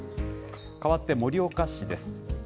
かわって盛岡市です。